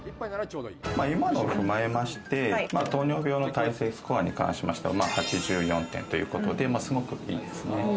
今のを踏まえまして、糖尿病の耐性スコアに関しましては８４点ということで、すごくいいですね。